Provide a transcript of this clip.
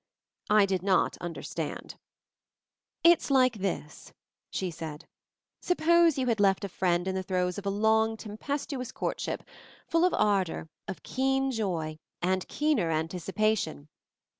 I did not understand. "It's like this," she said. "Suppose you had left a friend in the throes of a long, tem pestuous' courtship, full of ardor, of keen joy, and keener anticipation.